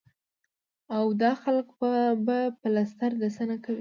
او دا خلک به پلستر د څۀ نه کوي ـ